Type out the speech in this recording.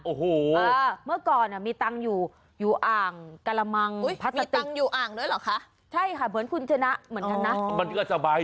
โอ้โหครับใช่มาก